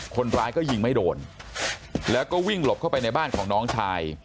คนร้ายก็ยิงไม่โดนแล้วก็วิ่งหลบเข้าไปในบ้านของน้องชาย